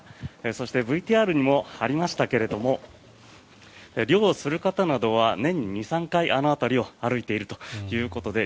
そしてＶＴＲにもありましたけれども猟をする方などは年に２３回あの辺りを歩いているということで